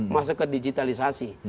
masuk ke digitalisasi